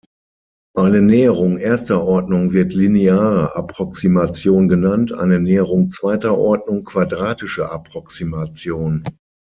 Eine Näherung erster Ordnung wird "lineare Approximation" genannt, eine Näherung zweiter Ordnung "quadratische Approximation".